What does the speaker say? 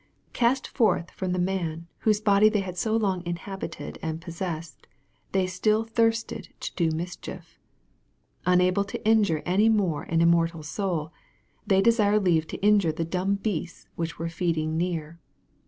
Cast forth from the man, whose body they had so long inhabited and possessed, they still thirsted to do mischief. Unable to injure any more an immortal soul, they desired leave to injure the dumb beasts whict were feeding near.